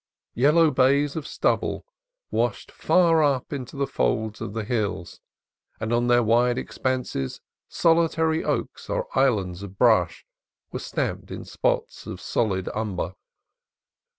Yellow bays of stubble washed far up into the folds of the hills, and on their wide expanses solitary oaks or islands LAGUNA CANON 15 of brush were stamped in spots of solid umber.